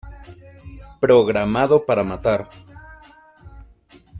Programado para matar.